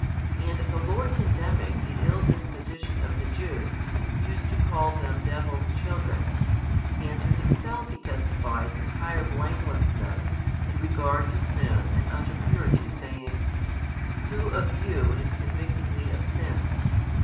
And the Lord condemning the ill disposition of the Jews, used to call them devil's children, and to Himself He testifies entire blamelessness in regard to sin and utter purity saying, Who of you is convicting Me of sin?